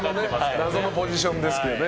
謎のポジションですが。